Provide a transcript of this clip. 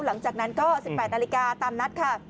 หลังจากนั้นก็๑๘นาฬิกาตามนัดค่ะ